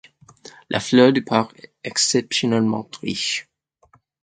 La flore du parc est exceptionnellement riche.